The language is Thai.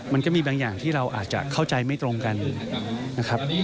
มันก็มีบางอย่างที่เราอาจจะเข้าใจไม่ตรงกันนะครับ